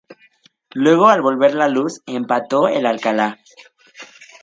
Luego al volver la luz empató el Alcalá.